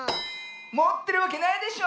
もってるわけないでしょ。